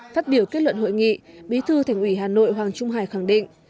phát biểu kết luận hội nghị bí thư thành ủy hà nội hoàng trung hải khẳng định